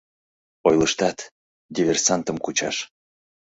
— Ойлыштат — диверсантым кучаш...